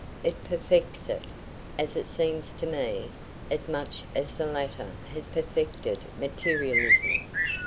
It perfects it, as it seems to me, as much as the latter has perfected materialism.